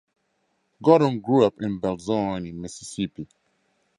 Gordon grew up in Belzoni, Mississippi.